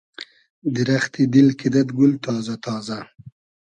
دیرئختی دیل کیدئد گول تازۂ تازۂ